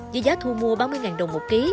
với giá thu mua ba mươi đồng một kg